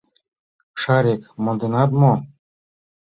— Шарик, монденат мо?